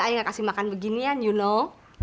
ayah gak kasih makan beginian you know